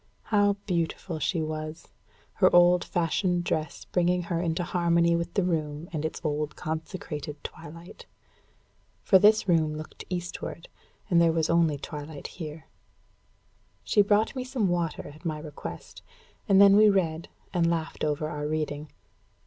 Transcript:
How beautiful she was! her old fashioned dress bringing her into harmony with the room and its old consecrated twilight! For this room looked eastward, and there was only twilight here. She brought me some water, at my request; and then we read, and laughed over our reading.